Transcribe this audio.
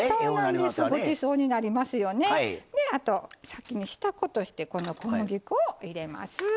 先に下粉としてこの小麦粉を入れます。